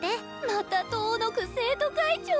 また遠のく生徒会長。